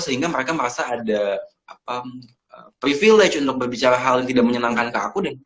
sehingga mereka merasa ada privilege untuk berbicara hal yang tidak menyenangkan ke aku